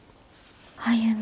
歩。